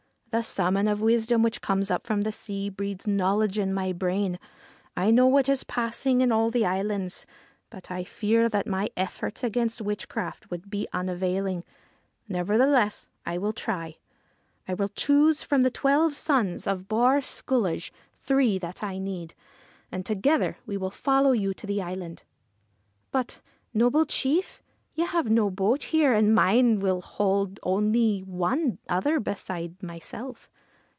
' The Salmon of Wisdom, which comes up from the sea, breeds knowledge in my brain. I know what is passing in all the islands, but I fear that my efforts against witchcraft would be unavailing. Nevertheless, I will try. I will choose, from the twelve sons of Bawr Sculloge, three that I need, and together we will follow you to the island.' ' But, noble chief, you have no boat here, and mine will hold only one other beside myself.'